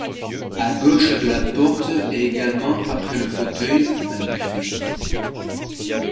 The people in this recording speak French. À gauche de la porte et également après le fauteuil, un buffet.